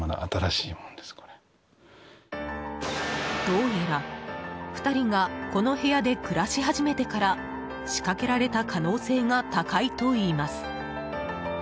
どうやら、２人がこの部屋で暮らし始めてから仕掛けられた可能性が高いといいます。